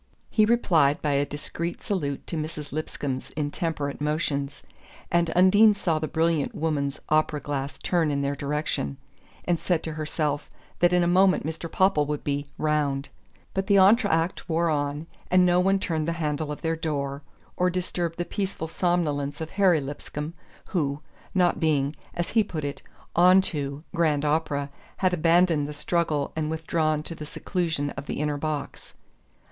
He replied by a discreet salute to Mrs. Lipscomb's intemperate motions, and Undine saw the brilliant woman's opera glass turn in their direction, and said to herself that in a moment Mr. Popple would be "round." But the entr'acte wore on, and no one turned the handle of their door, or disturbed the peaceful somnolence of Harry Lipscomb, who, not being (as he put it) "onto" grand opera, had abandoned the struggle and withdrawn to the seclusion of the inner box.